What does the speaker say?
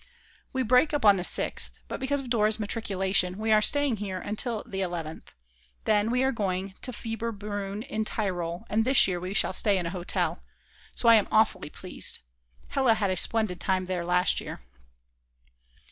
We break up on the 6th; but because of Dora's matriculation we are staying here until the 11th. Then we are going to Fieberbrunn in Tyrol, and this year we shall stay in a hotel, so I am awfully pleased. Hella had a splendid time there last year.